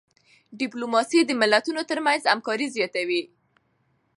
ډيپلوماسي د ملتونو ترمنځ همکاري زیاتوي.